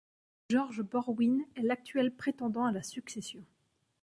Georges Borwin est l'actuel prétendant à la succession.